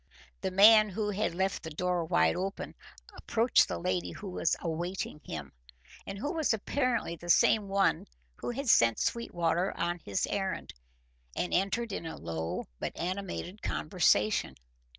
The man, who had left the door wide open, approached the lady who was awaiting him, and who was apparently the same one who had sent Sweetwater on his errand, and entered into a low but animated conversation.